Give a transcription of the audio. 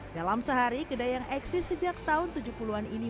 dalam sehari kedai yang eksis sejak tahun tujuh puluh an ini